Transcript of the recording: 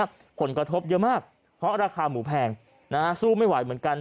บอกว่าช่วงนี้ผลกระทบเยอะมากเพราะราคาหมูแพงนะฮะสู้ไม่ไหวเหมือนกัน